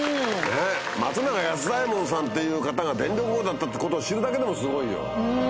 松永安左エ門さんっていう方が電力王だったってことを知るだけでもすごいよ。